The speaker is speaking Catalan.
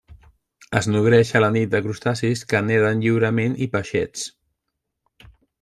Es nodreix a la nit de crustacis que neden lliurement i peixets.